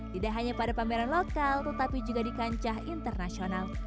tidak hanya pada pameran lokal tetapi juga di kancah internasional